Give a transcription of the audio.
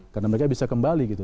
karena mereka bisa kembali gitu